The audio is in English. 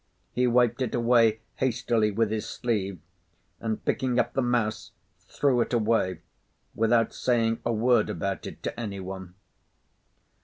He wiped it away hastily with his sleeve, and picking up the mouse, threw it away, without saying a word about it to anyone.